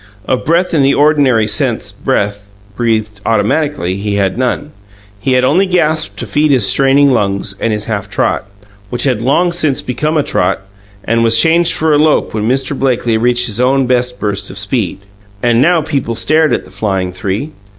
Of breath in the ordinary sense breath, breathed automatically he had none. He had only gasps to feed his straining lungs, and his half trot, which had long since become a trot, was changed for a lope when Mr. Blakely reached his own best burst of speed. And now people stared at the flying three.